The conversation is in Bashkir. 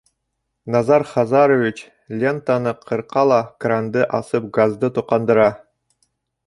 Назар Хазарович лентаны ҡырҡа ла кранды асып газды тоҡандыра.